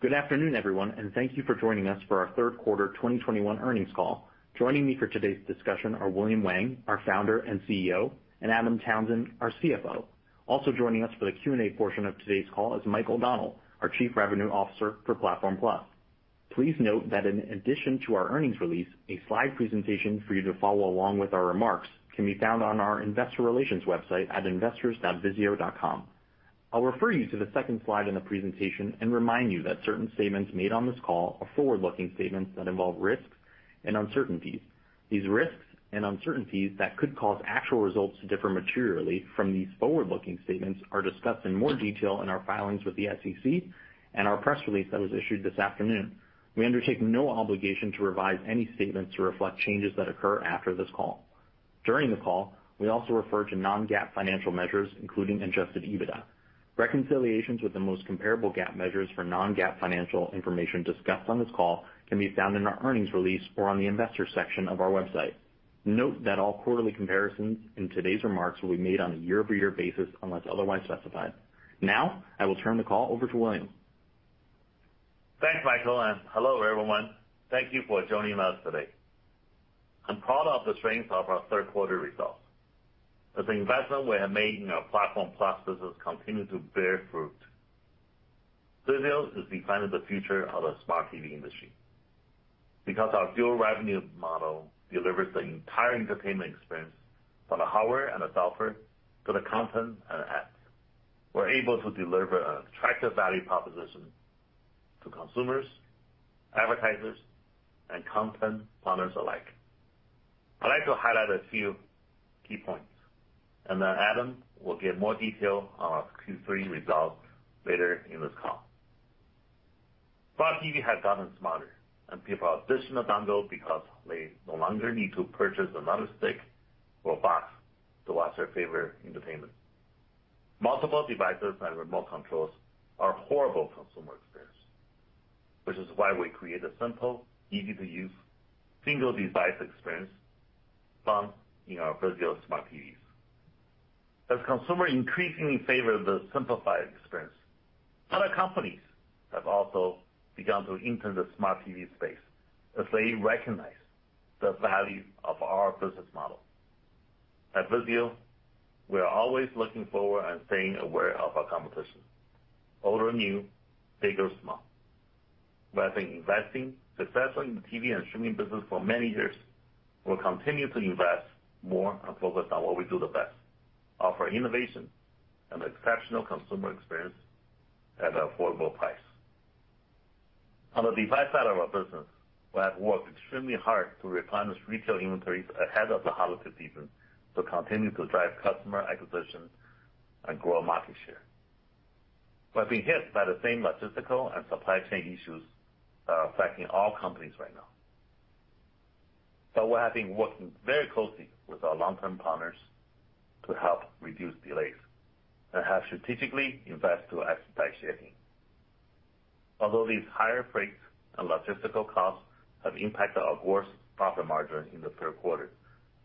Good afternoon, everyone, and thank you for joining us for our third quarter 2021 earnings call. Joining me for today's discussion are William Wang, our founder and CEO, and Adam Townsend, our CFO. Also joining us for the Q&A portion of today's call is Mike O'Donnell, our Chief Revenue Officer for Platform Plus. Please note that in addition to our earnings release, a slide presentation for you to follow along with our remarks can be found on our investor relations website at investors.vizio.com. I'll refer you to the second slide in the presentation and remind you that certain statements made on this call are forward-looking statements that involve risks and uncertainties. These risks and uncertainties that could cause actual results to differ materially from these forward-looking statements are discussed in more detail in our filings with the SEC and our press release that was issued this afternoon. We undertake no obligation to revise any statements to reflect changes that occur after this call. During the call, we also refer to non-GAAP financial measures, including Adjusted EBITDA. Reconciliations with the most comparable GAAP measures for non-GAAP financial information discussed on this call can be found in our earnings release or on the investor section of our website. Note that all quarterly comparisons in today's remarks will be made on a year-over-year basis unless otherwise specified. Now, I will turn the call over to William. Thanks, Michael, and hello, everyone. Thank you for joining us today. I'm proud of the strength of our third quarter results. As investments we have made in our Platform+ business continue to bear fruit. VIZIO is defining the future of the smart TV industry. Because our dual revenue model delivers the entire entertainment experience from the hardware and the software to the content and apps, we're able to deliver an attractive value proposition to consumers, advertisers, and content partners alike. I'd like to highlight a few key points, and then Adam will give more detail on our Q3 results later in this call. Smart TV has gotten smarter and people are ditching the dongle because they no longer need to purchase another stick or box to watch their favorite entertainment. Multiple devices and remote controls are horrible consumer experience, which is why we create a simple, easy-to-use single device experience found in our VIZIO smart TVs. Consumers increasingly favor the simplified experience, other companies have also begun to enter the smart TV space as they recognize the value of our business model. VIZIO, we are always looking forward and staying aware of our competition, old or new, big or small. By investing successfully in the TV and streaming business for many years, we'll continue to invest more and focus on what we do the best, offer innovation and exceptional consumer experience at an affordable price. On the device side of our business, we have worked extremely hard to replenish retail inventories ahead of the holiday season to continue to drive customer acquisition and grow market share. We have been hit by the same logistical and supply chain issues that are affecting all companies right now. We have been working very closely with our long-term partners to help reduce delays and have strategically invest through asset-based shipping. Although these higher freights and logistical costs have impacted our gross profit margin in the third quarter,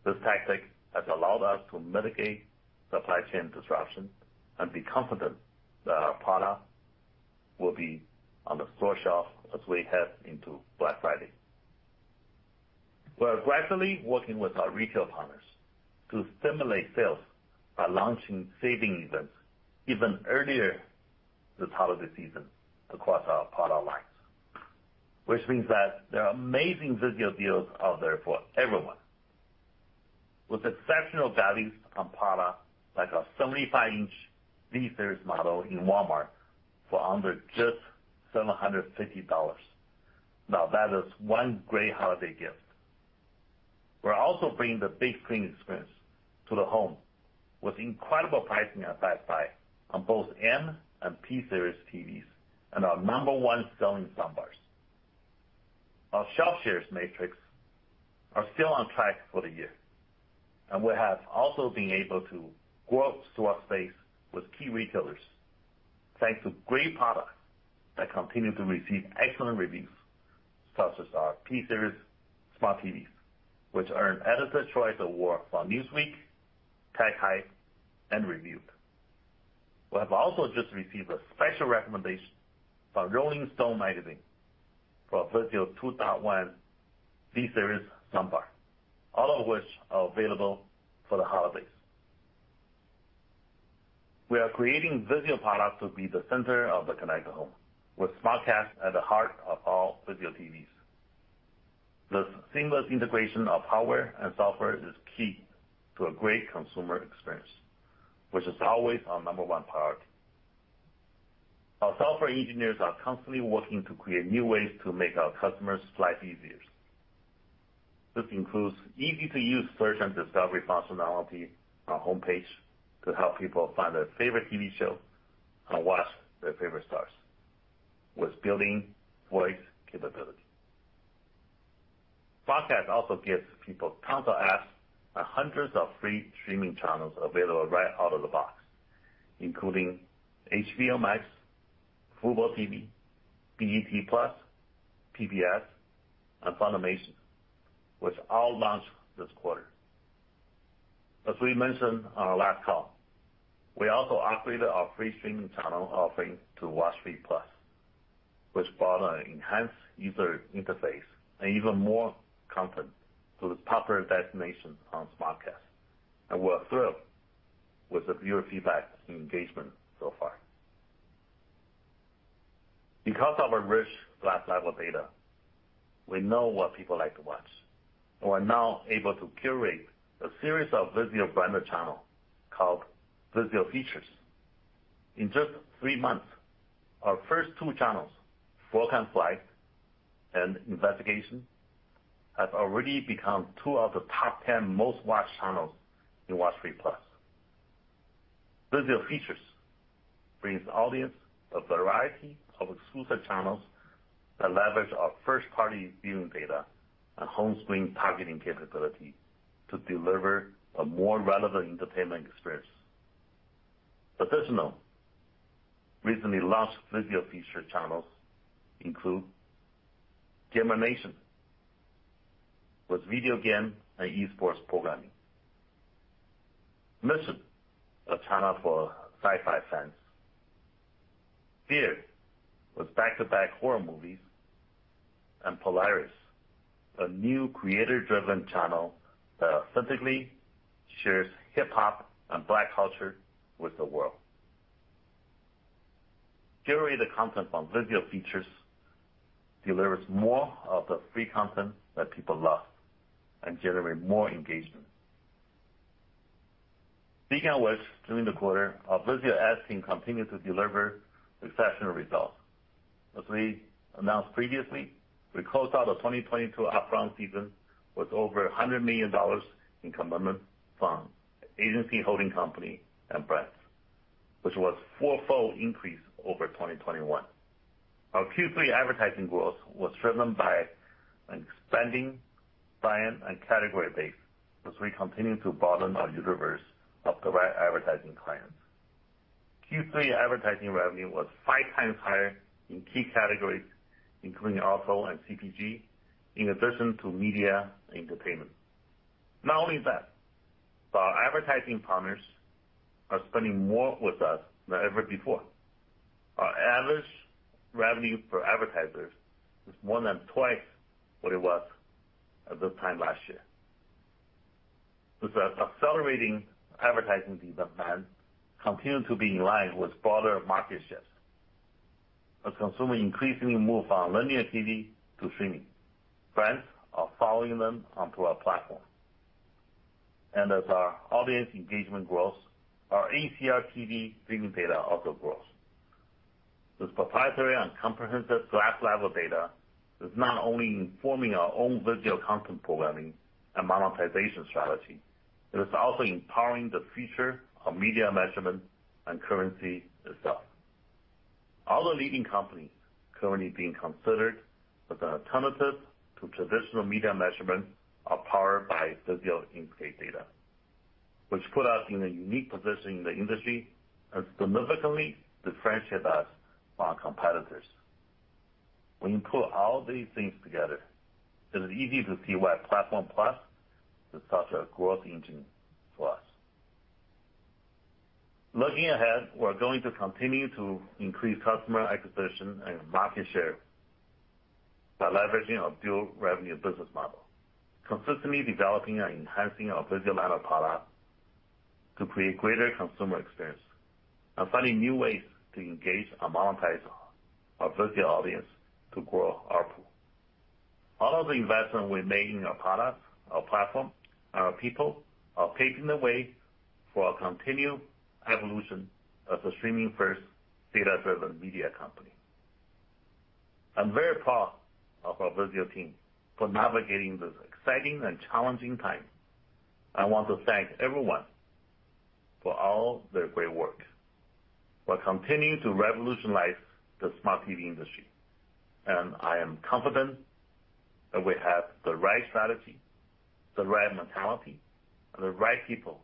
this tactic has allowed us to mitigate supply chain disruption and be confident that our product will be on the store shelf as we head into Black Friday. We are gradually working with our retail partners to stimulate sales by launching saving events even earlier this holiday season across our product lines, which means that there are amazing VIZIO deals out there for everyone. With exceptional values on product like our 75-inch V-Series model in Walmart for under just $750. Now that is one great holiday gift. We're also bringing the big screen experience to the home with incredible pricing at Best Buy on both M-Series and P-Series TVs and our No. 1 selling soundbars. Our shelf shares metrics are still on track for the year, and we have also been able to grow store space with key retailers thanks to great products that continue to receive excellent reviews, such as our P-Series smart TVs, which earned Editor's Choice Award from Newsweek, TechHive, and Reviewed. We have also just received a special recommendation from Rolling Stone for our VIZIO 2.1 V-Series soundbar, all of which are available for the holidays. We are creating VIZIO products to be the center of the connected home with SmartCast at the heart of all VIZIO TVs. The seamless integration of hardware and software is key to a great consumer experience, which is always our number one priority. Our software engineers are constantly working to create new ways to make our customers' life easier. This includes easy-to-use search and discovery functionality on homepage to help people find their favorite TV show and watch their favorite stars with built-in voice capability. SmartCast also gives people tons of apps and hundreds of free streaming channels available right out of the box, including HBO Max, FuboTV, BET+, PBS, and Funimation, which all launched this quarter. As we mentioned on our last call, we also upgraded our free streaming channel offering to WatchFree+, which brought an enhanced user interface and even more content to the popular destination on SmartCast. We're thrilled with the viewer feedback and engagement so far. Because of our rich glass level data, we know what people like to watch. We are now able to curate a series of VIZIO branded channel called VIZIO Features. In just three months, our first two channels, Fork & Flight and Investigation, have already become two of the top 10 most watched channels in WatchFree+. VIZIO Features brings audience a variety of exclusive channels that leverage our first-party viewing data and home screen targeting capability to deliver a more relevant entertainment experience. Additional recently launched VIZIO Features channels include Gamernation with video game and esports programming, Mission, a channel for sci-fi fans, Fear, with back-to-back horror movies, and Polaris, a new creator-driven channel that authentically shares hip-hop and Black culture with the world. Curated content from VIZIO Features delivers more of the free content that people love and generate more engagement. Speaking of which, during the quarter, our VIZIO ads team continued to deliver exceptional results. As we announced previously, we closed out the 2022 upfront season with over $100 million in commitment from agency holding company and brands, which was fourfold increase over 2021. Our Q3 advertising growth was driven by an expanding client and category base as we continue to broaden our universe of direct advertising clients. Q3 advertising revenue was five times higher in key categories, including auto and CPG, in addition to media and entertainment. Not only that, but our advertising partners are spending more with us than ever before. Our average revenue per advertiser is more than twice what it was at this time last year. With our accelerating advertising demand continuing to be in line with broader market shifts, as consumers increasingly move from linear TV to streaming, brands are following them onto our platform. As our audience engagement grows, our ACR TV streaming data also grows. This proprietary and comprehensive household-level data is not only informing our own VIZIO content programming and monetization strategy, it is also empowering the future of media measurement and currency itself. All the leading companies currently being considered as an alternative to traditional media measurement are powered by VIZIO in-panel data, which put us in a unique position in the industry and significantly differentiate us from our competitors. When you put all these things together, it is easy to see why Platform+ is such a growth engine for us. Looking ahead, we're going to continue to increase customer acquisition and market share by leveraging our dual revenue business model, consistently developing and enhancing our VIZIO line of products to create greater consumer experience, and finding new ways to engage and monetize our VIZIO audience to grow ARPU. All of the investment we make in our products, our platform, and our people are paving the way for a continued evolution as a streaming-first, data-driven media company. I'm very proud of our VIZIO team for navigating this exciting and challenging time. I want to thank everyone for all their great work. We're continuing to revolutionize the Smart TV industry, and I am confident that we have the right strategy, the right mentality, and the right people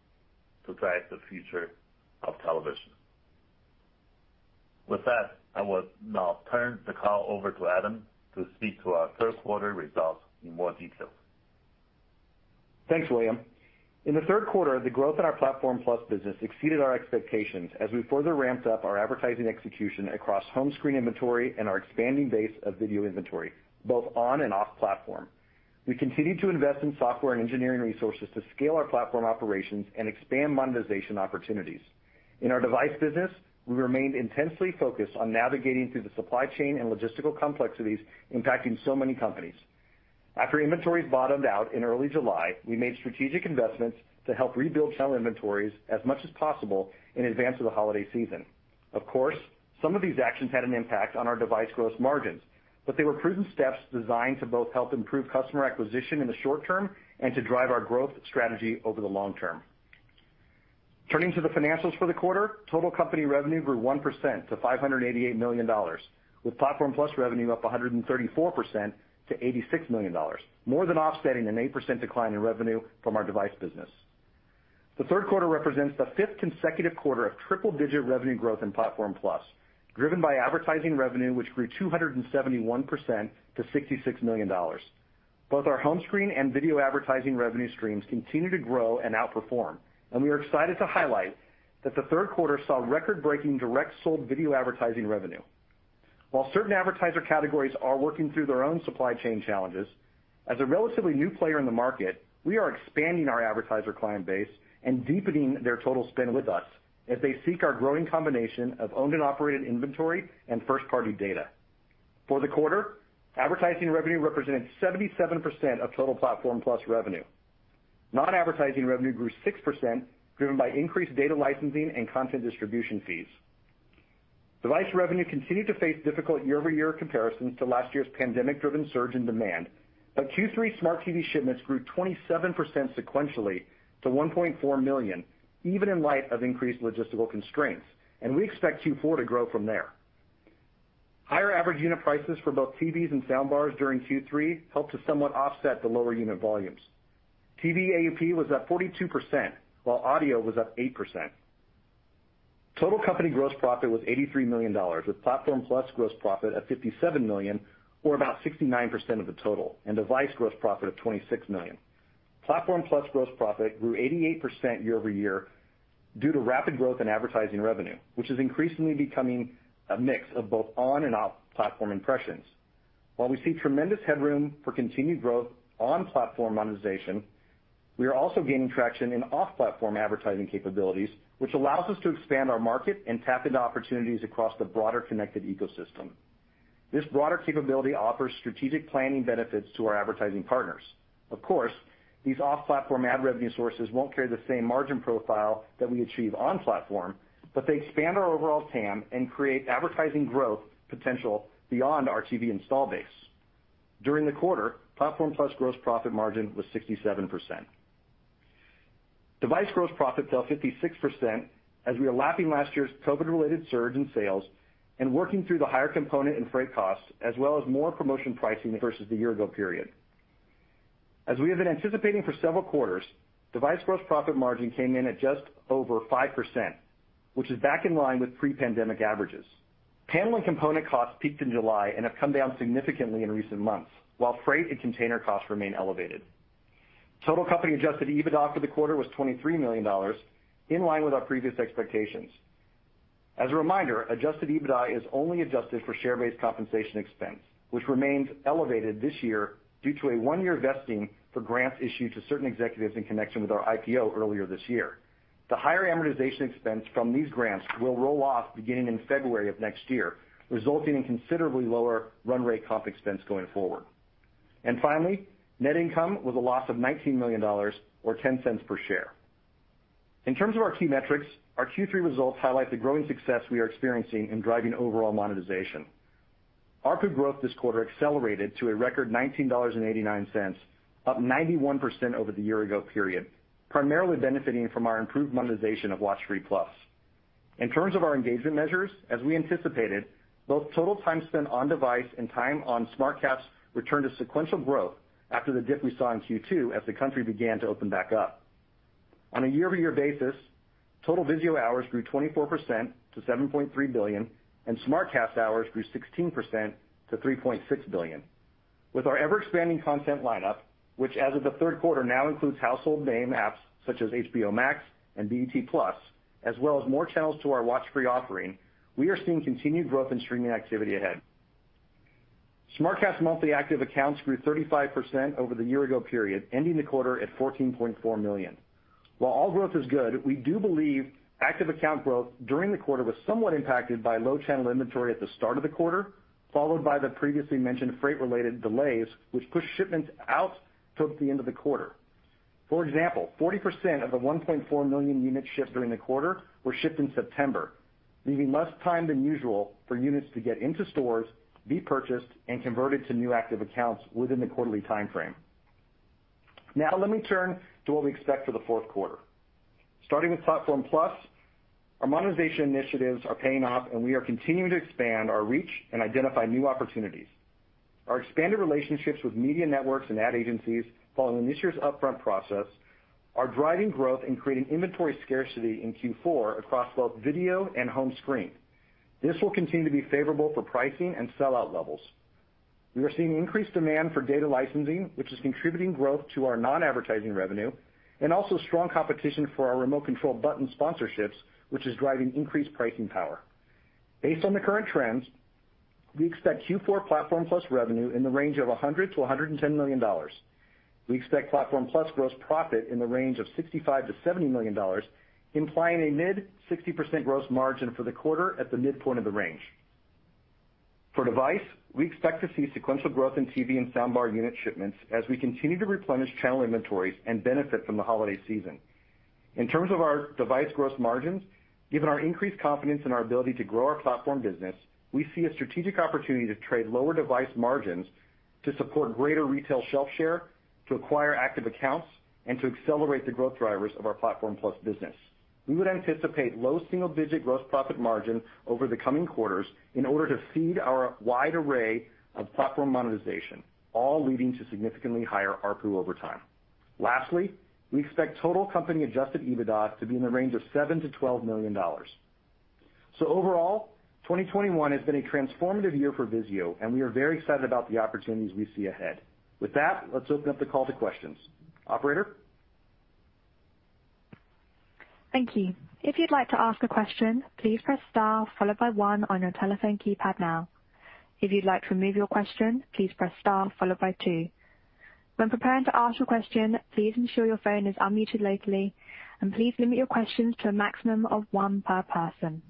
to drive the future of television. With that, I will now turn the call over to Adam to speak to our third quarter results in more detail. Thanks, William. In the third quarter, the growth in our Platform+ business exceeded our expectations as we further ramped up our advertising execution across home screen inventory and our expanding base of video inventory, both on and off platform. We continued to invest in software and engineering resources to scale our platform operations and expand monetization opportunities. In our device business, we remained intensely focused on navigating through the supply chain and logistical complexities impacting so many companies. After inventories bottomed out in early July, we made strategic investments to help rebuild channel inventories as much as possible in advance of the holiday season. Of course, some of these actions had an impact on our device gross margins, but they were prudent steps designed to both help improve customer acquisition in the short term and to drive our growth strategy over the long term. Turning to the financials for the quarter, total company revenue grew 1% to $588 million, with Platform+ revenue up 134% to $86 million, more than offsetting an 8% decline in revenue from our device business. The third quarter represents the fifth consecutive quarter of triple-digit revenue growth in Platform+, driven by advertising revenue, which grew 271% to $66 million. Both our home screen and video advertising revenue streams continue to grow and outperform, and we are excited to highlight that the third quarter saw record-breaking direct sold video advertising revenue. While certain advertiser categories are working through their own supply chain challenges, as a relatively new player in the market, we are expanding our advertiser client base and deepening their total spend with us as they seek our growing combination of owned and operated inventory and first-party data. For the quarter, advertising revenue represented 77% of total Platform+ revenue. Non-advertising revenue grew 6% driven by increased data licensing and content distribution fees. Device revenue continued to face difficult year-over-year comparisons to last year's pandemic-driven surge in demand, but Q3 Smart TV shipments grew 27% sequentially to 1.4 million, even in light of increased logistical constraints, and we expect Q4 to grow from there. Higher average unit prices for both TVs and soundbars during Q3 helped to somewhat offset the lower unit volumes. TV AUP was up 42%, while audio was up 8%. Total company gross profit was $83 million, with Platform+ gross profit at $57 million, or about 69% of the total, and device gross profit of $26 million. Platform+ gross profit grew 88% year-over-year due to rapid growth in advertising revenue, which is increasingly becoming a mix of both on and off-platform impressions. While we see tremendous headroom for continued growth on Platform monetization, we are also gaining traction in off-platform advertising capabilities, which allows us to expand our market and tap into opportunities across the broader connected ecosystem. This broader capability offers strategic planning benefits to our advertising partners. Of course, these off-platform ad revenue sources won't carry the same margin profile that we achieve on-platform, but they expand our overall TAM and create advertising growth potential beyond our TV install base. During the quarter, Platform+ gross profit margin was 67%. Device gross profit fell 56% as we are lapping last year's COVID-related surge in sales and working through the higher component and freight costs, as well as more promotion pricing versus the year ago period. As we have been anticipating for several quarters, device gross profit margin came in at just over 5%, which is back in line with pre-pandemic averages. Panel and component costs peaked in July and have come down significantly in recent months, while freight and container costs remain elevated. Total company Adjusted EBITDA for the quarter was $23 million, in line with our previous expectations. As a reminder, Adjusted EBITDA is only adjusted for share-based compensation expense, which remains elevated this year due to a one-year vesting for grants issued to certain executives in connection with our IPO earlier this year. The higher amortization expense from these grants will roll off beginning in February of next year, resulting in considerably lower run rate comp expense going forward. Finally, net income was a loss of $19 million or $0.10 per share. In terms of our key metrics, our Q3 results highlight the growing success we are experiencing in driving overall monetization. ARPU growth this quarter accelerated to a record $19.89, up 91% over the year ago period, primarily benefiting from our improved monetization of WatchFree+. In terms of our engagement measures, as we anticipated, both total time spent on device and time on SmartCast returned to sequential growth after the dip we saw in Q2 as the country began to open back up. On a year-over-year basis, total VIZIO hours grew 24% to 7.3 billion, and SmartCast hours grew 16% to 3.6 billion. With our ever-expanding content lineup, which as of the third quarter now includes household name apps such as HBO Max and BET+, as well as more channels to our WatchFree+ offering, we are seeing continued growth in streaming activity ahead. SmartCast monthly active accounts grew 35% over the year ago period, ending the quarter at 14.4 million. While all growth is good, we do believe active account growth during the quarter was somewhat impacted by low channel inventory at the start of the quarter, followed by the previously mentioned freight-related delays, which pushed shipments out towards the end of the quarter. For example, 40% of the 1.4 million units shipped during the quarter were shipped in September, leaving less time than usual for units to get into stores, be purchased, and converted to new active accounts within the quarterly time frame. Now let me turn to what we expect for the fourth quarter. Starting with Platform+, our monetization initiatives are paying off, and we are continuing to expand our reach and identify new opportunities. Our expanded relationships with media networks and ad agencies following this year's upfront process are driving growth and creating inventory scarcity in Q4 across both video and home screen. This will continue to be favorable for pricing and sellout levels. We are seeing increased demand for data licensing, which is contributing growth to our non-advertising revenue, and also strong competition for our remote control button sponsorships, which is driving increased pricing power. Based on the current trends, we expect Q4 Platform+ revenue in the range of $100 million-$110 million. We expect Platform+ gross profit in the range of $65 million-$70 million, implying a mid-60% gross margin for the quarter at the midpoint of the range. For device, we expect to see sequential growth in TV and soundbar unit shipments as we continue to replenish channel inventories and benefit from the holiday season. In terms of our device gross margins, given our increased confidence in our ability to grow our platform business, we see a strategic opportunity to trade lower device margins to support greater retail shelf share, to acquire active accounts, and to accelerate the growth drivers of our Platform+ business. We would anticipate low single-digit gross profit margin over the coming quarters in order to feed our wide array of platform monetization, all leading to significantly higher ARPU over time. Lastly, we expect total company Adjusted EBITDA to be in the range of $7 million-$12 million. Overall, 2021 has been a transformative year for VIZIO and we are very excited about the opportunities we see ahead. With that, let's open up the call to questions. Operator? Thank you. If you'd like to ask a question, please press star followed by one on your telephone keypad now. If you'd like to remove your question, please press star followed by two. When preparing to ask your question, please ensure your phone is unmuted locally and please limit your questions to a maximum of one per person.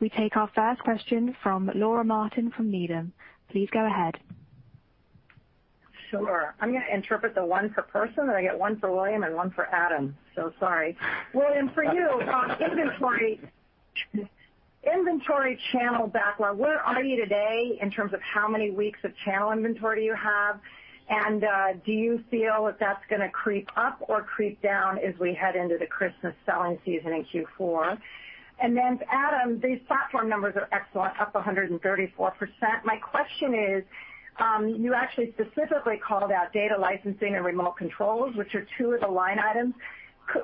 We take our first question from Laura Martin from Needham. Please go ahead. Sure. I'm gonna interpret the one per person that I get one for William and one for Adam. Sorry. William, for you, inventory channel backlog, where are you today in terms of how many weeks of channel inventory you have? Do you feel that that's gonna creep up or creep down as we head into the Christmas selling season in Q4? Adam, these platform numbers are excellent, up 134%. My question is, you actually specifically called out data licensing and remote controls, which are two of the line items.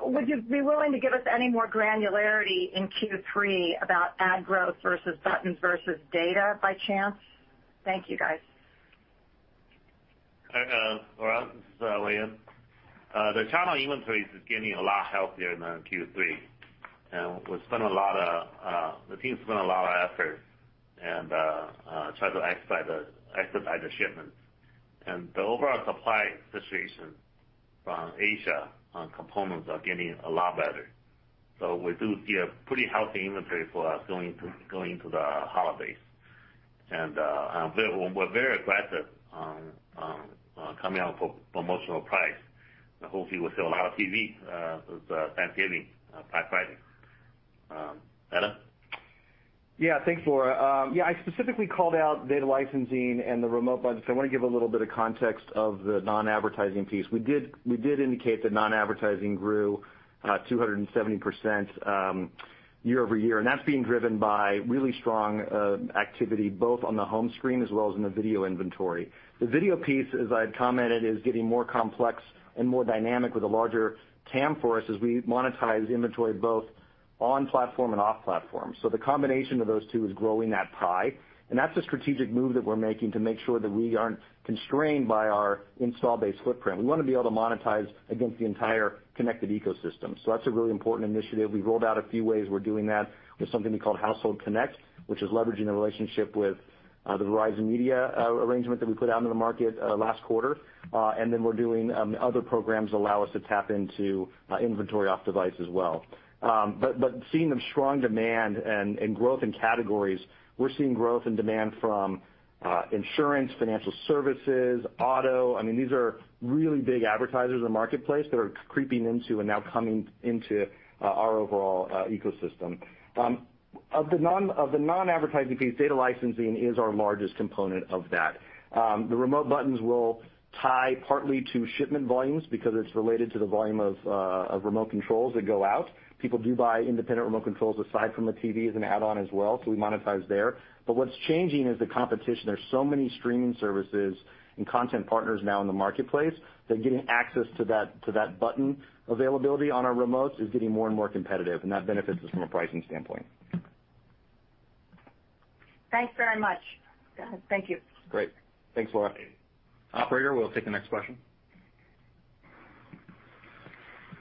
Would you be willing to give us any more granularity in Q3 about ad growth versus buttons versus data by chance? Thank you guys. All right, Laura, this is William. The channel inventories is getting a lot healthier now in Q3. The team spent a lot of effort and tried to expedite the shipments. The overall supply situation from Asia on components are getting a lot better. We do see a pretty healthy inventory for us going into the holidays. We're very aggressive on coming out for promotional price. I hope you will sell a lot of TVs this Thanksgiving, Black Friday. Adam? Yeah. Thanks, Laura. I specifically called out data licensing and the remote buttons. I wanna give a little bit of context of the non-advertising piece. We did indicate that non-advertising grew 270% year-over-year, and that's being driven by really strong activity both on the home screen as well as in the video inventory. The video piece, as I've commented, is getting more complex and more dynamic with a larger TAM for us as we monetize inventory both on platform and off platform. The combination of those two is growing that pie. That's a strategic move that we're making to make sure that we aren't constrained by our install base footprint. We wanna be able to monetize against the entire connected ecosystem. That's a really important initiative. We've rolled out a few ways we're doing that with something we call Household Connect, which is leveraging the relationship with the Verizon Media arrangement that we put out into the market last quarter. We're doing other programs that allow us to tap into inventory off device as well. Seeing the strong demand and growth in categories, we're seeing growth and demand from insurance, financial services, auto. I mean, these are really big advertisers in the marketplace that are creeping into and now coming into our overall ecosystem. Of the non-advertising piece, data licensing is our largest component of that. The remote buttons will tie partly to shipment volumes because it's related to the volume of remote controls that go out. People do buy independent remote controls aside from the TV as an add-on as well, so we monetize there. What's changing is the competition. There's so many streaming services and content partners now in the marketplace that getting access to that, to that button availability on our remotes is getting more and more competitive, and that benefits us from a pricing standpoint. Thanks very much. Thank you. Great. Thanks, Laura. Operator, we'll take the next question.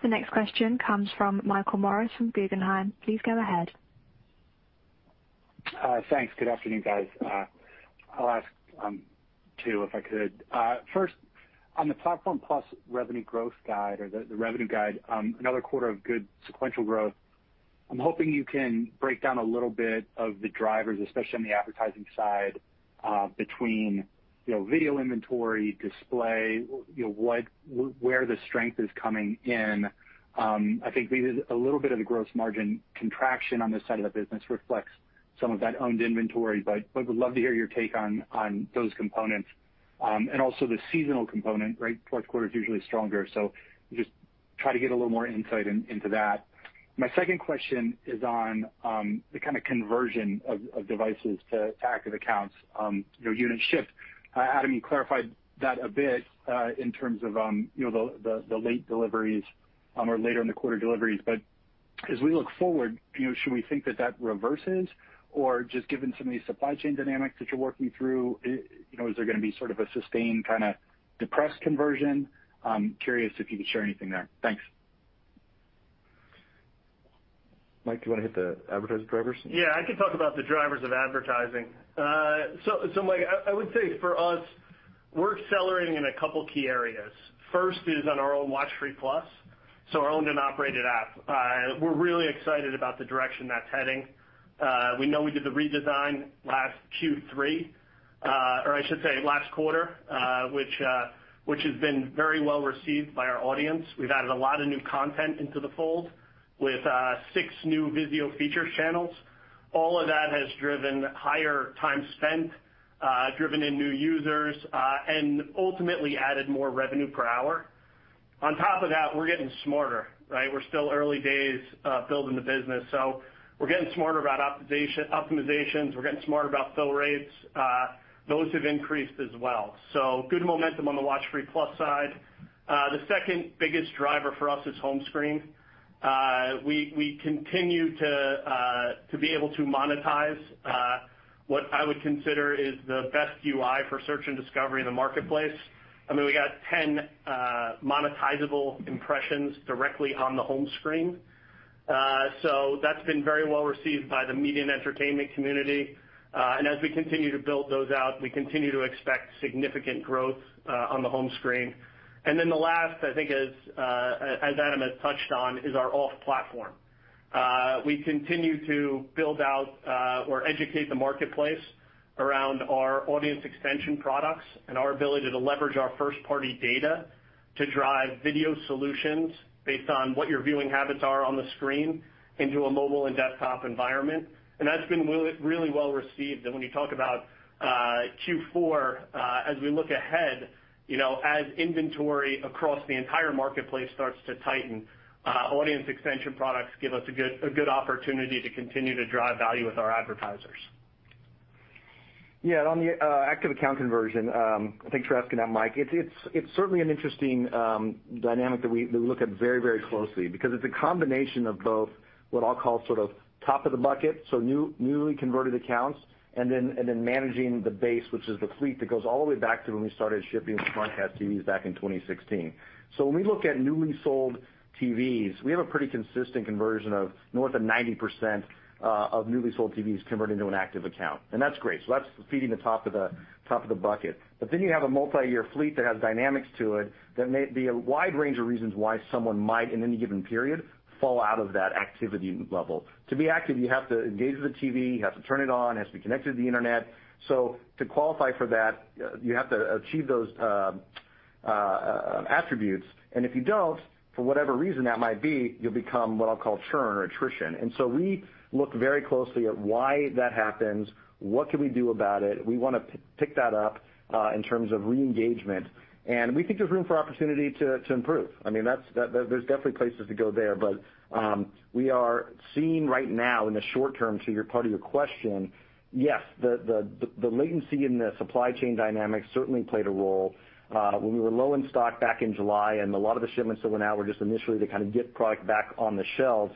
The next question comes from Michael Morris from Guggenheim. Please go ahead. Thanks. Good afternoon, guys. I'll ask two, if I could. First, on the Platform+ revenue growth guide or the revenue guide, another quarter of good sequential growth. I'm hoping you can break down a little bit of the drivers, especially on the advertising side, between, you know, video inventory, display, you know, where the strength is coming in. I think a little bit of the gross margin contraction on this side of the business reflects some of that owned inventory, but would love to hear your take on those components. Also the seasonal component, right? Fourth quarter is usually stronger, so just try to get a little more insight into that. My second question is on the kind of conversion of devices to active accounts, you know, unit shifts. Adam, you clarified that a bit in terms of the late deliveries or later in the quarter deliveries. As we look forward, you know, should we think that reverses? Or just given some of these supply chain dynamics that you're working through, you know, is there gonna be sort of a sustained kinda depressed conversion? I'm curious if you could share anything there. Thanks. Mike, do you wanna hit the advertising drivers? Yeah, I can talk about the drivers of advertising. Mike, I would say for us, we're accelerating in a couple key areas. First is on our own WatchFree+. Our owned and operated app. We're really excited about the direction that's heading. We know we did the redesign last Q3, or I should say last quarter, which has been very well received by our audience. We've added a lot of new content into the fold with six new VIZIO feature channels. All of that has driven higher time spent, driven in new users, and ultimately added more revenue per hour. On top of that, we're getting smarter, right? We're still early days building the business, so we're getting smarter about optimizations. We're getting smarter about fill rates. Those have increased as well. Good momentum on the WatchFree+ side. The second biggest driver for us is home screen. We continue to be able to monetize what I would consider is the best UI for search and discovery in the marketplace. I mean, we got 10 monetizable impressions directly on the home screen. That's been very well received by the media and entertainment community. As we continue to build those out, we continue to expect significant growth on the home screen. Then the last, I think, is, as Adam has touched on, is our off platform. We continue to build out or educate the marketplace around our audience extension products and our ability to leverage our first-party data to drive video solutions based on what your viewing habits are on the screen into a mobile and desktop environment. That's been really well received. When you talk about Q4, as we look ahead, you know, as inventory across the entire marketplace starts to tighten, audience extension products give us a good opportunity to continue to drive value with our advertisers. Yeah. On the active account conversion, thanks for asking that, Mike. It's certainly an interesting dynamic that we look at very closely because it's a combination of both what I'll call sort of top of the bucket, so newly converted accounts, and then managing the base, which is the fleet that goes all the way back to when we started shipping SmartCast TVs back in 2016. So when we look at newly sold TVs, we have a pretty consistent conversion of north of 90% of newly sold TVs convert into an active account. That's great. So that's feeding the top of the bucket. You have a multiyear fleet that has dynamics to it that may be a wide range of reasons why someone might, in any given period, fall out of that activity level. To be active, you have to engage with the TV, you have to turn it on, it has to be connected to the Internet. To qualify for that, you have to achieve those attributes. If you don't, for whatever reason that might be, you'll become what I'll call churn or attrition. We look very closely at why that happens. What can we do about it? We wanna pick that up in terms of reengagement, and we think there's room for opportunity to improve. I mean, that's. There's definitely places to go there. We are seeing right now in the short term, to your part of your question, yes, the latency in the supply chain dynamics certainly played a role, when we were low in stock back in July, and a lot of the shipments that went out were just initially to kind of get product back on the shelves.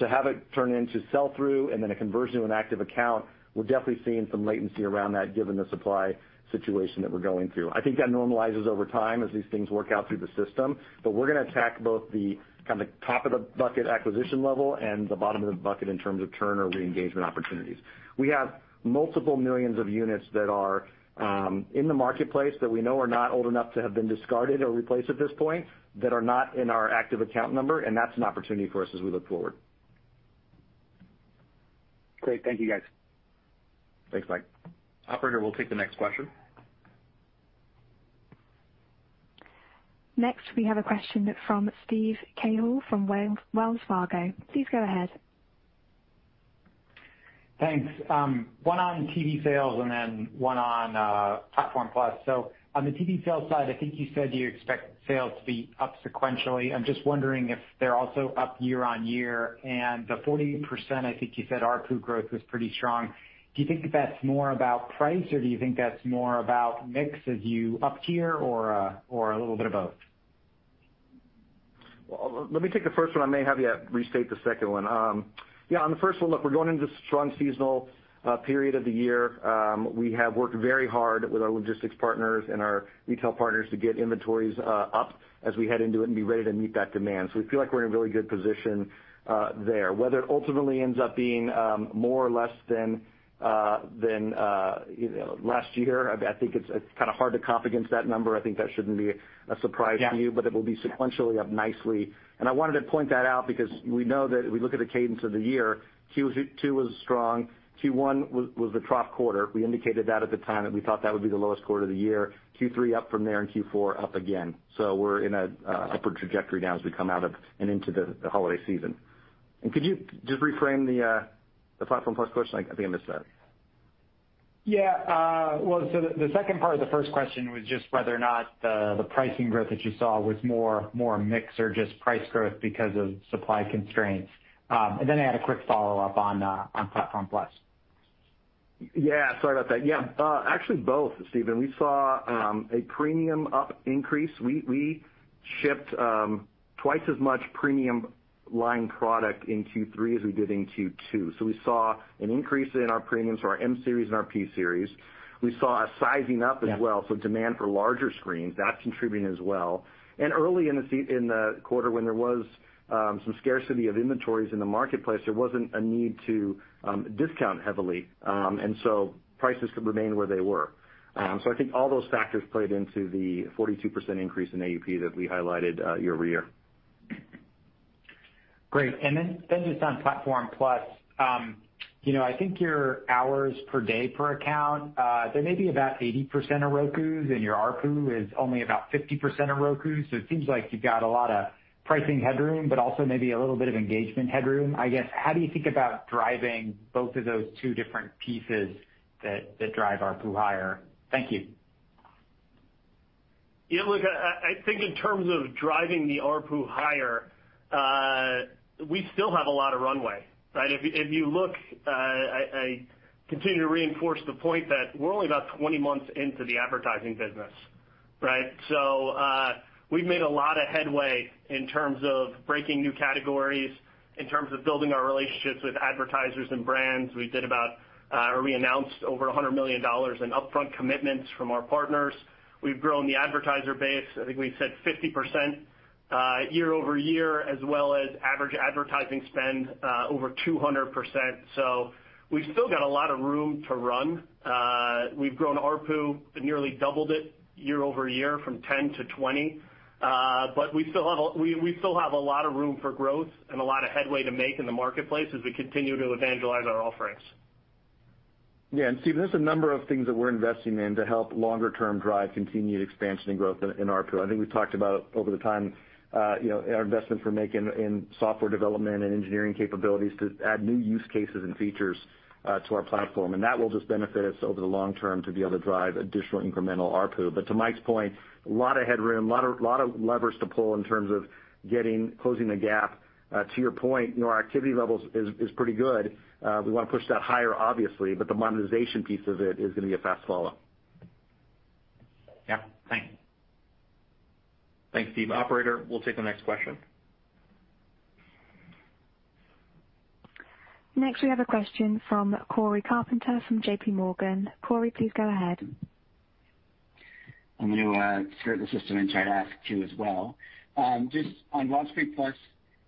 To have it turn into sell through and then a conversion to an active account, we're definitely seeing some latency around that given the supply situation that we're going through. I think that normalizes over time as these things work out through the system. But we're gonna attack both the kind of top of the bucket acquisition level and the bottom of the bucket in terms of churn or reengagement opportunities. We have multiple millions of units that are in the marketplace that we know are not old enough to have been discarded or replaced at this point that are not in our active account number, and that's an opportunity for us as we look forward. Great. Thank you, guys. Thanks, Mike. Operator, we'll take the next question. Next, we have a question from Steven Cahall from Wells Fargo. Please go ahead. Thanks. One on TV sales and then one on Platform Plus. On the TV sales side, I think you said you expect sales to be up sequentially. I'm just wondering if they're also up year-on-year. The 40%, I think you said ARPU growth was pretty strong. Do you think that's more about price, or do you think that's more about mix as you up tier or a little bit of both? Well, let me take the first one. I may have you restate the second one. Yeah, on the first one, look, we're going into strong seasonal period of the year. We have worked very hard with our logistics partners and our retail partners to get inventories up as we head into it and be ready to meet that demand. So we feel like we're in a really good position there. Whether it ultimately ends up being more or less than you know last year, I think it's kind of hard to comp against that number. I think that shouldn't be a surprise to you. Yeah. It will be sequentially up nicely. I wanted to point that out because we know that if we look at the cadence of the year, Q2 was strong. Q1 was the trough quarter. We indicated that at the time, and we thought that would be the lowest quarter of the year. Q3 up from there and Q4 up again. We're in an upward trajectory now as we come out of and into the holiday season. Could you just reframe the Platform+ question? I think I missed that. Yeah. Well, the second part of the first question was just whether or not the pricing growth that you saw was more a mix or just price growth because of supply constraints. Then I had a quick follow-up on Platform+. Yeah, sorry about that. Yeah, actually both, Steve. We saw a premium mix increase. We shipped twice as much premium line product in Q3 as we did in Q2. We saw an increase in our premium mix for our M-Series and our P-Series. We saw an upsizing as well. Yeah. Demand for larger screens, that's contributing as well. Early in the quarter when there was some scarcity of inventories in the marketplace, there wasn't a need to discount heavily. Prices could remain where they were. I think all those factors played into the 42% increase in AUP that we highlighted year-over-year. Great. Then just on Platform Plus, you know, I think your hours per day per account, they may be about 80% of Roku's and your ARPU is only about 50% of Roku's. So it seems like you've got a lot of pricing headroom, but also maybe a little bit of engagement headroom. I guess, how do you think about driving both of those two different pieces that drive ARPU higher? Thank you. Yeah, look, I think in terms of driving the ARPU higher. We still have a lot of runway, right? If you look, I continue to reinforce the point that we're only about 20 months into the advertising business, right? We've made a lot of headway in terms of breaking new categories, in terms of building our relationships with advertisers and brands. We announced over $100 million in upfront commitments from our partners. We've grown the advertiser base, I think we've said 50% year-over-year, as well as average advertising spend over 200%. We've still got a lot of room to run. We've grown ARPU, nearly doubled it year-over-year from $10-$20. We still have a lot of room for growth and a lot of headway to make in the marketplace as we continue to evangelize our offerings. Yeah. Steve, there's a number of things that we're investing in to help longer term drive continued expansion and growth in ARPU. I think we've talked about over time, you know, our investment in making software development and engineering capabilities to add new use cases and features to our platform, and that will just benefit us over the long term to be able to drive additional incremental ARPU. To Mike's point, a lot of headroom, a lot of levers to pull in terms of closing the gap. To your point, you know, our activity levels is pretty good. We wanna push that higher, obviously, but the monetization piece of it is gonna be a fast follow. Yeah. Thanks. Thanks, Steven. Operator, we'll take the next question. Next, we have a question from Cory Carpenter from J.P. Morgan. Cory, please go ahead. I'm gonna skirt the system and try to ask two as well. Just on WatchFree+,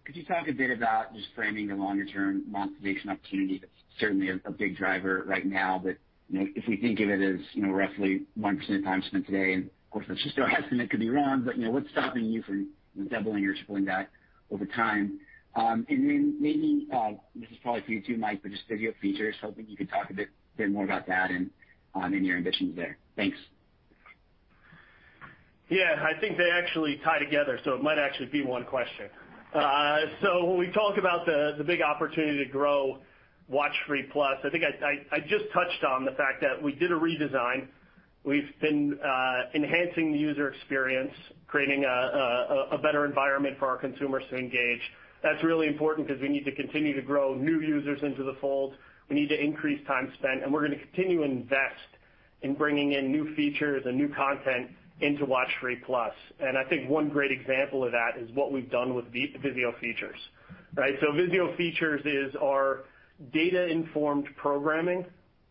could you talk a bit about just framing the longer term monetization opportunity that's certainly a big driver right now, but you know, if we think of it as you know, roughly 1% of time spent today, and of course, that's just a guess and it could be wrong, but you know, what's stopping you from doubling or tripling that over time? And then maybe this is probably for you too, Mike, but just VIZIO Features, hoping you could talk a bit more about that and your ambitions there. Thanks. Yeah. I think they actually tie together, so it might actually be one question. When we talk about the big opportunity to grow WatchFree+, I think I just touched on the fact that we did a redesign. We've been enhancing the user experience, creating a better environment for our consumers to engage. That's really important 'cause we need to continue to grow new users into the fold. We need to increase time spent, and we're gonna continue to invest in bringing in new features and new content into WatchFree+. I think one great example of that is what we've done with VIZIO Features, right? VIZIO Features is our data-informed programming, right?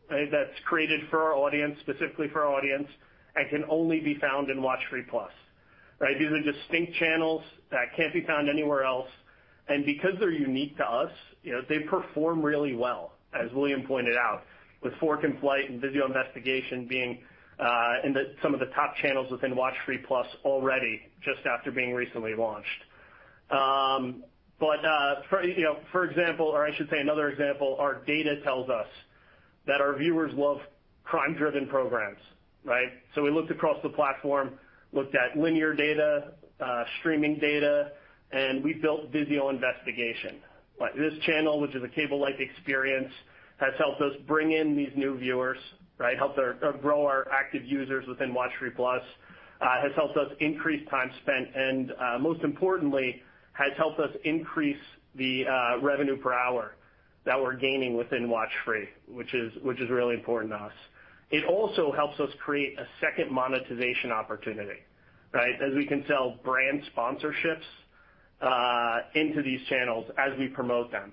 That's created for our audience, specifically for our audience, and can only be found in WatchFree+, right? These are distinct channels that can't be found anywhere else. Because they're unique to us, you know, they perform really well, as William pointed out, with Fork & Flight and VIZIO Investigation being in some of the top channels within WatchFree+ already just after being recently launched. You know, for example, or I should say another example, our data tells us that our viewers love crime-driven programs, right? We looked across the platform, looked at linear data, streaming data, and we built VIZIO Investigation. Like, this channel, which is a cable-like experience, has helped us bring in these new viewers, right? helped grow our active users within WatchFree+, has helped us increase time spent, and most importantly, has helped us increase the revenue per hour that we're gaining within WatchFree+, which is really important to us. It also helps us create a second monetization opportunity, right? As we can sell brand sponsorships into these channels as we promote them.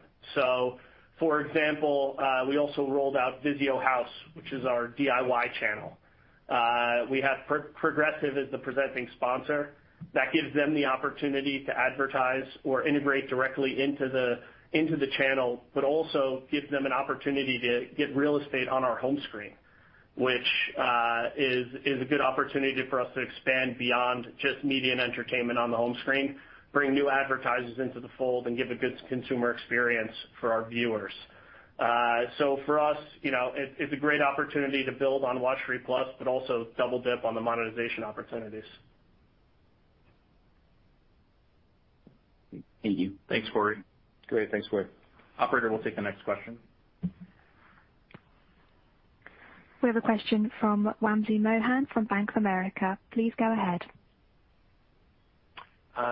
For example, we also rolled out VIZIO House, which is our DIY channel. We have Progressive as the presenting sponsor. That gives them the opportunity to advertise or integrate directly into the channel, but also gives them an opportunity to get real estate on our home screen, which is a good opportunity for us to expand beyond just media and entertainment on the home screen, bring new advertisers into the fold, and give a good consumer experience for our viewers. For us, you know, it's a great opportunity to build on WatchFree+, but also double dip on the monetization opportunities. Thank you. Thanks, Cory. Great. Thanks, Cory. Operator, we'll take the next question. We have a question from Wamsi Mohan from Bank of America. Please go ahead.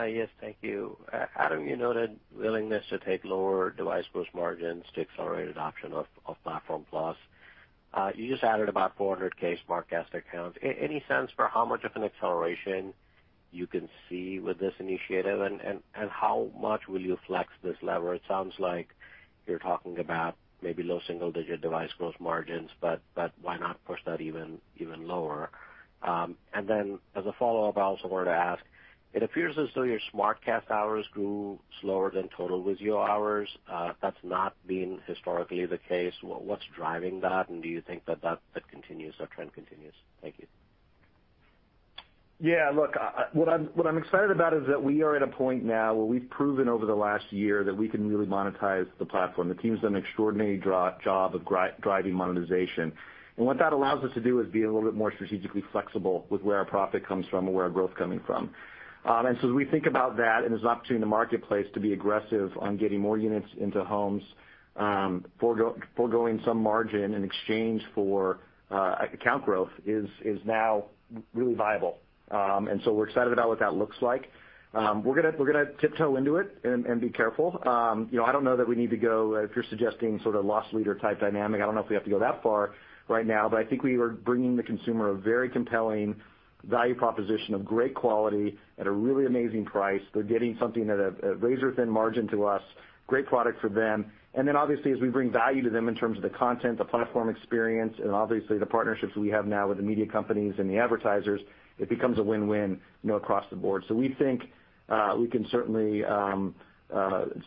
Yes, thank you. Adam, you noted willingness to take lower device gross margins to accelerate adoption of Platform+. You just added about 400K SmartCast accounts. Any sense for how much of an acceleration you can see with this initiative? And how much will you flex this lever? It sounds like you're talking about maybe low single digit device gross margins, but why not push that even lower? As a follow-up, I also wanted to ask, it appears as though your SmartCast hours grew slower than total VIZIO hours. That's not been historically the case. What's driving that, and do you think that trend continues? Thank you. Yeah. Look, what I'm excited about is that we are at a point now where we've proven over the last year that we can really monetize the platform. The team's done an extraordinary job of driving monetization, and what that allows us to do is be a little bit more strategically flexible with where our profit comes from and where our growth coming from. As we think about that, there's an opportunity in the marketplace to be aggressive on getting more units into homes, forgoing some margin in exchange for account growth is now really viable. We're excited about what that looks like. We're gonna tiptoe into it and be careful. You know, I don't know that we need to go, if you're suggesting sort of loss leader type dynamic, I don't know if we have to go that far right now. I think we are bringing the consumer a very compelling value proposition of great quality at a really amazing price. They're getting something at a razor-thin margin to us, great product for them. Then obviously, as we bring value to them in terms of the content, the platform experience, and obviously the partnerships we have now with the media companies and the advertisers, it becomes a win-win, you know, across the board. We think we can certainly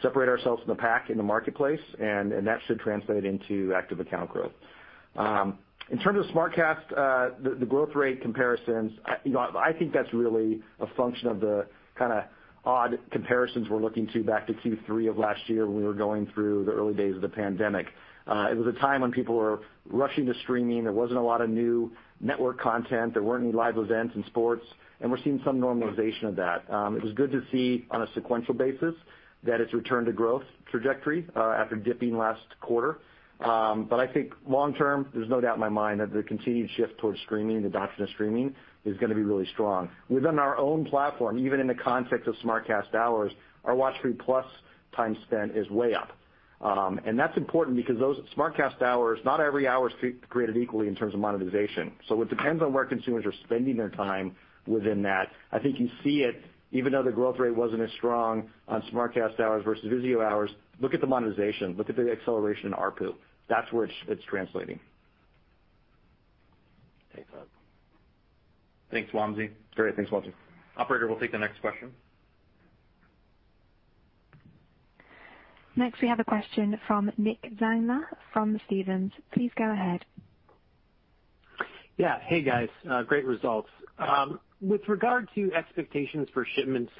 separate ourselves from the pack in the marketplace, and that should translate into active account growth. In terms of SmartCast, the growth rate comparisons, you know, I think that's really a function of the kinda odd comparisons we're looking back to Q3 of last year when we were going through the early days of the pandemic. It was a time when people were rushing to streaming. There wasn't a lot of new network content. There weren't any live events and sports, and we're seeing some normalization of that. It was good to see on a sequential basis that it's returned to growth trajectory after dipping last quarter. I think long term, there's no doubt in my mind that the continued shift towards streaming, the adoption of streaming is gonna be really strong. Within our own platform, even in the context of SmartCast hours, our WatchFree+ time spent is way up. That's important because those SmartCast hours, not every hour is created equally in terms of monetization. It depends on where consumers are spending their time within that. I think you see it, even though the growth rate wasn't as strong on SmartCast hours versus VIZIO hours. Look at the monetization, look at the acceleration in ARPU. That's where it's translating. Thanks, Bob. Thanks, Wamsi. Great. Thanks, Wamsi. Operator, we'll take the next question. Next, we have a question from Nick Zangler from Stephens. Please go ahead. Yeah. Hey, guys. Great results. With regard to expectations for shipments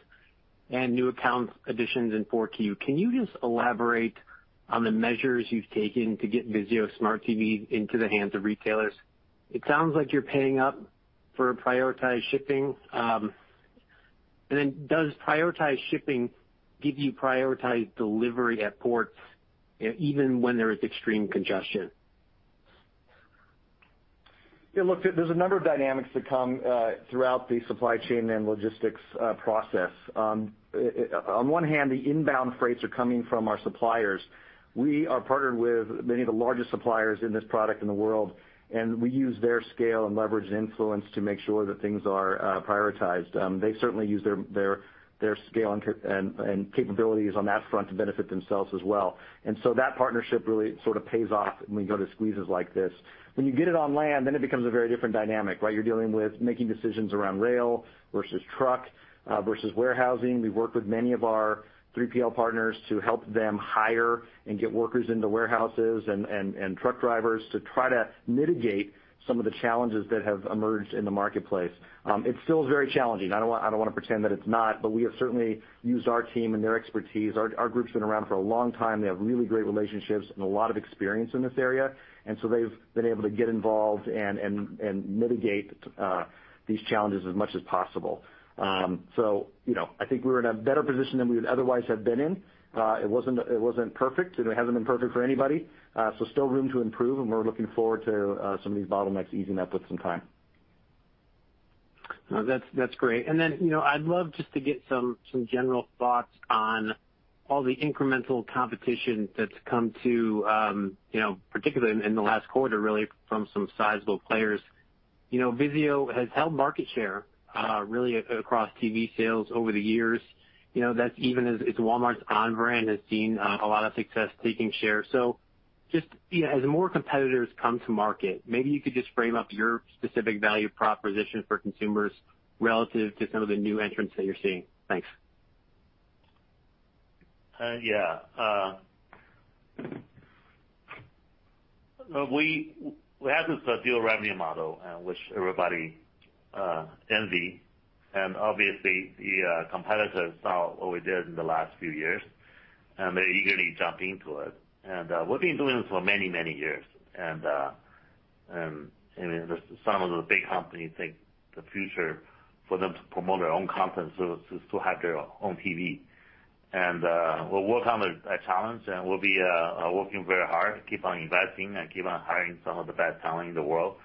and new account additions in 4Q, can you just elaborate on the measures you've taken to get VIZIO Smart TV into the hands of retailers? It sounds like you're paying up for prioritized shipping. Does prioritized shipping give you prioritized delivery at ports even when there is extreme congestion? Yeah, look, there's a number of dynamics that come throughout the supply chain and logistics process. On one hand, the inbound freights are coming from our suppliers. We are partnered with many of the largest suppliers in this product in the world, and we use their scale and leverage and influence to make sure that things are prioritized. They certainly use their scale and capabilities on that front to benefit themselves as well. That partnership really sort of pays off when we go to squeezes like this. When you get it on land, then it becomes a very different dynamic, right? You're dealing with making decisions around rail versus truck versus warehousing. We've worked with many of our 3PL partners to help them hire and get workers into warehouses and truck drivers to try to mitigate some of the challenges that have emerged in the marketplace. It still is very challenging. I don't wanna pretend that it's not, but we have certainly used our team and their expertise. Our group's been around for a long time. They have really great relationships and a lot of experience in this area, and so they've been able to get involved and mitigate these challenges as much as possible. So, you know, I think we're in a better position than we would otherwise have been in. It wasn't perfect, and it hasn't been perfect for anybody, so there's still room to improve, and we're looking forward to some of these bottlenecks easing up with some time. No, that's great. Then, you know, I'd love just to get some general thoughts on all the incremental competition that's come to, you know, particularly in the last quarter, really from some sizable players. You know, VIZIO has held market share, really across TV sales over the years. You know, that's even as its Walmart's onn brand has seen a lot of success taking share. Just, you know, as more competitors come to market, maybe you could just frame up your specific value proposition for consumers relative to some of the new entrants that you're seeing. Thanks. We have this dual revenue model, which everybody envy, and obviously the competitors saw what we did in the last few years, and they're eagerly jumping to it. We've been doing this for many, many years. Some of the big companies think the future for them to promote their own content is to have their own TV. We'll work on that challenge, and we'll be working very hard to keep on investing and keep on hiring some of the best talent in the world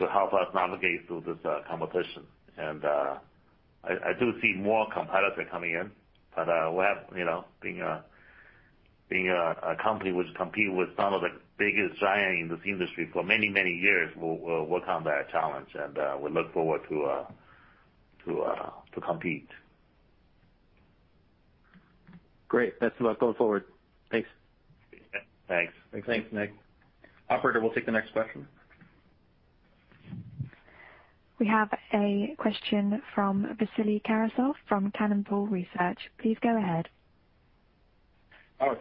to help us navigate through this competition. I do see more competitors coming in, but we'll have, you know, being a company which compete with some of the biggest giant in this industry for many years, we'll work on that challenge, and we look forward to compete. Great. That's about going forward. Thanks. Yeah. Thanks. Thanks, Nick. Operator, we'll take the next question. We have a question from Vasily Karasyov from Cannonball Research. Please go ahead.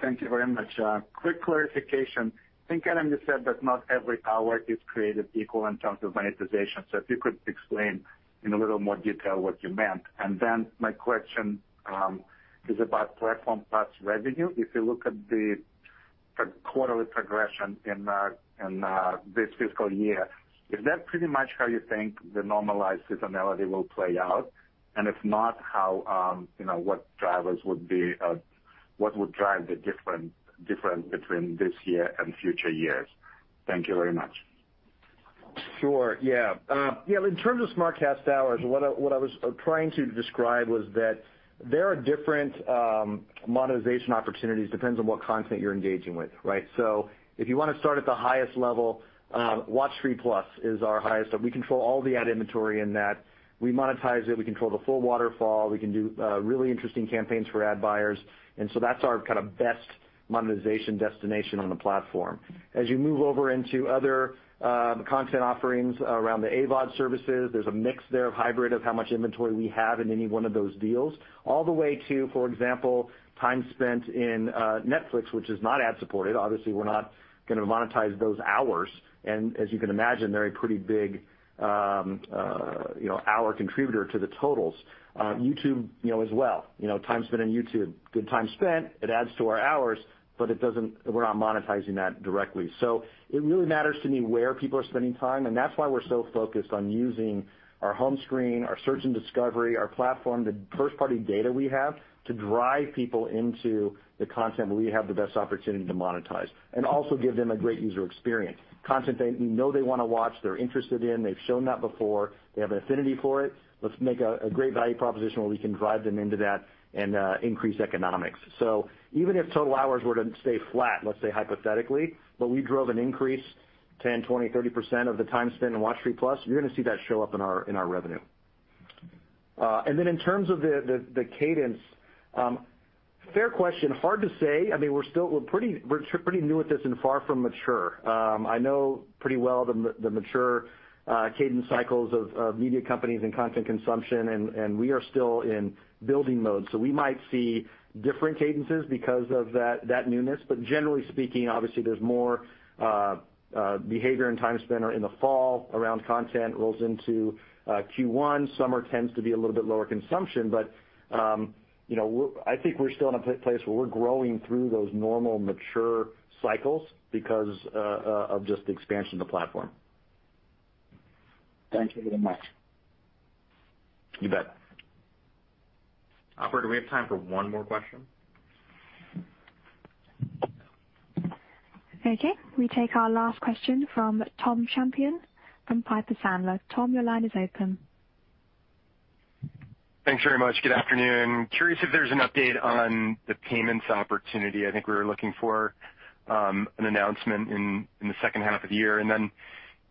Thank you very much. Quick clarification. I think, Adam, you said that not every hour is created equal in terms of monetization. If you could explain in a little more detail what you meant. Then my question is about Platform+ revenue. If you look at the quarterly progression in this fiscal year, is that pretty much how you think the normalized seasonality will play out? If not, how what drivers would drive the difference between this year and future years? Thank you very much. Sure, yeah. In terms of SmartCast hours, what I was trying to describe was that there are different monetization opportunities, depends on what content you're engaging with, right? If you wanna start at the highest level, WatchFree+ is our highest. We control all the ad inventory in that. We monetize it, we control the full waterfall, we can do really interesting campaigns for ad buyers. That's our kind of best monetization destination on the platform. As you move over into other content offerings around the AVOD services, there's a mix there of hybrid of how much inventory we have in any one of those deals, all the way to, for example, time spent in Netflix, which is not ad-supported. Obviously, we're not gonna monetize those hours. As you can imagine, they're a pretty big, you know, hour contributor to the totals. YouTube, you know, as well. You know, time spent on YouTube, good time spent. It adds to our hours, but it doesn't. We're not monetizing that directly. So it really matters to me where people are spending time, and that's why we're so focused on using our home screen, our search and discovery, our platform, the first-party data we have to drive people into the content where we have the best opportunity to monetize and also give them a great user experience. Content we know they wanna watch, they're interested in, they've shown that before, they have an affinity for it. Let's make a great value proposition where we can drive them into that and increase economics. Even if total hours were to stay flat, let's say, hypothetically, but we drove an increase of 10, 20, 30% of the time spent in WatchFree+, you're gonna see that show up in our revenue. In terms of the cadence, fair question. Hard to say. I mean, we're pretty new at this and far from mature. I know pretty well the mature cadence cycles of media companies and content consumption, and we are still in building mode. We might see different cadences because of that newness. Generally speaking, obviously, there's more behavior and time spent in the fall around content rolls into Q1. Summer tends to be a little bit lower consumption, but, you know, I think we're still in a place where we're growing through those normal mature cycles because of just the expansion of the platform. Thank you very much. You bet. Operator, do we have time for one more question? Okay, we take our last question from Thomas Champion from Piper Sandler. Tom, your line is open. Thanks very much. Good afternoon. Curious if there's an update on the payments opportunity. I think we were looking for an announcement in the second half of the year.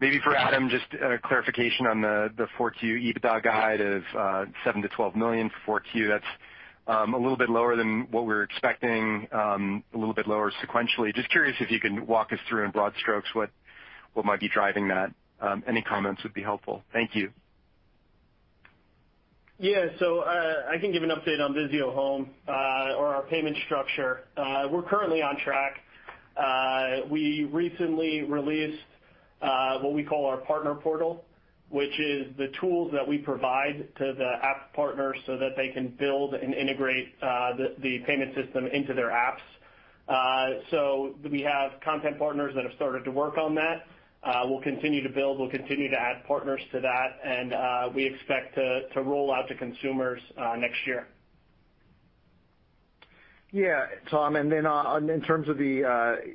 Maybe for Adam, just a clarification on the 4Q EBITDA guide of $7 million-$12 million for 4Q. That's a little bit lower than what we were expecting, a little bit lower sequentially. Just curious if you can walk us through in broad strokes what might be driving that. Any comments would be helpful. Thank you. Yeah. I can give an update on VIZIO Home, or our payment structure. We're currently on track. We recently released what we call our partner portal, which is the tools that we provide to the app partners so that they can build and integrate the payment system into their apps. So we have content partners that have started to work on that. We'll continue to build, we'll continue to add partners to that, and we expect to roll out to consumers next year. Yeah, Tom. In terms of the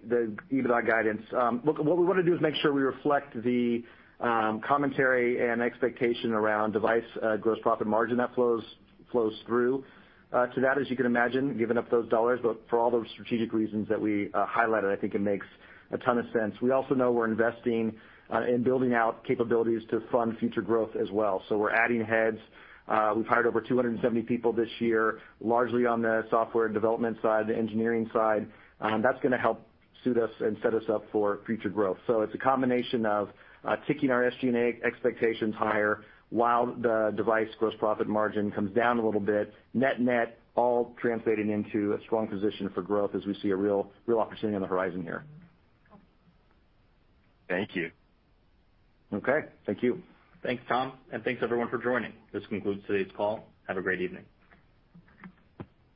EBITDA guidance, look, what we wanna do is make sure we reflect the commentary and expectation around device gross profit margin that flows through. To that, as you can imagine, giving up those dollars, but for all those strategic reasons that we highlighted, I think it makes a ton of sense. We also know we're investing in building out capabilities to fund future growth as well. We're adding heads. We've hired over 270 people this year, largely on the software development side, the engineering side. That's gonna help set us up for future growth. It's a combination of ticking our SG&A expectations higher while the device gross profit margin comes down a little bit. Net-net all translating into a strong position for growth as we see a real opportunity on the horizon here. Thank you. Okay, thank you. Thanks, Tom, and thanks everyone for joining. This concludes today's call. Have a great evening.